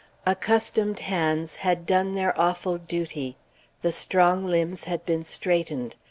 Accustomed hands had done their awful duty. The strong limbs had been straightened.